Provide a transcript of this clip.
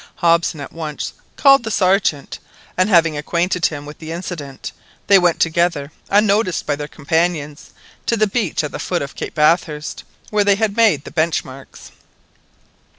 Hobson at once called the Sergeant, and having acquainted him with the incident, they went together, unnoticed by their companions, to the beach at the foot of Cape Bathurst, where they had made the bench marks.